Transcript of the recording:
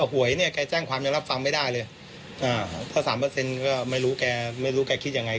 ถ้าหวยเนี่ยแจ้งความยังรับฟังไม่ได้เลยถ้า๓ก็ไม่รู้แกคิดยังไง